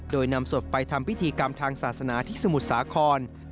โดยนำศพไปทำพิธีกรรมทางศาสนาที่สมุทรสาคร